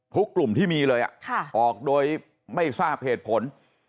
กลุ่มที่มีเลยออกโดยไม่ทราบเหตุผล